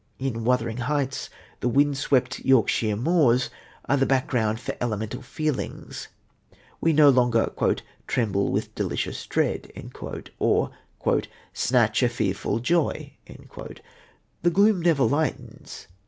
In Wuthering Heights the windswept Yorkshire moors are the background for elemental feelings. We no longer "tremble with delicious dread" or "snatch a fearful joy." The gloom never lightens.